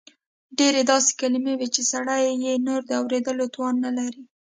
ډېر داسې کلیمې وې چې سړی یې نور د اورېدو توان نه لري.